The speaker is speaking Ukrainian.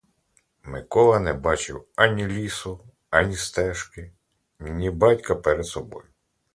Микола не бачив ані лісу, ані стежки, ні батька перед собою.